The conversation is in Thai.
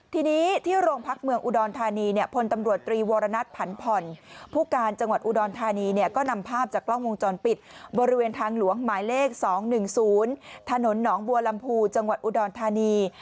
ทีนี้ที่โรงพักภักดิ์เมืองอุดรธานี